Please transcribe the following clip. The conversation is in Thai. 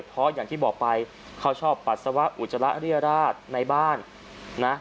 เพราะอย่างที่บอกไปเขาชอบปัสสาวะอุจจาระเรียราชในบ้านนะ